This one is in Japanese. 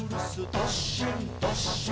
どっしんどっしん」